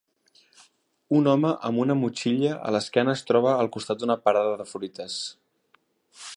Un home amb una motxilla a l'esquena es troba al costat d'una parada de fruites.